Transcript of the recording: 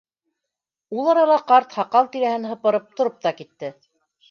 Ул арала ҡарт һаҡал тирәһен һыпырып тороп та китте.